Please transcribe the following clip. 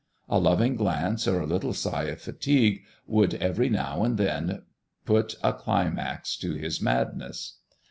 A loving glance or a little sigh of fatigue would every now and then put a climax to his madness.